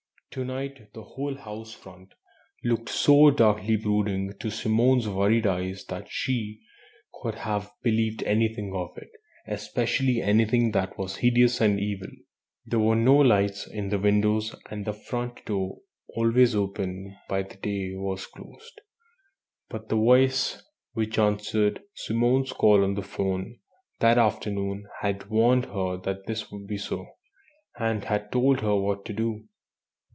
To night the whole house front looked so darkly brooding to Simone's worried eyes that she could have believed anything of it, especially anything that was hideous and evil. There were no lights in the windows, and the front door, always open by day, was closed. But the voice which answered Simone's call on the 'phone that afternoon had warned her that this would be so, and had told her what to do.